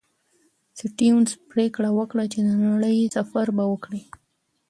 سټيونز پرېکړه وکړه چې د نړۍ سفر به وکړي.